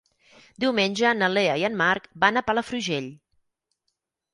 Diumenge na Lea i en Marc van a Palafrugell.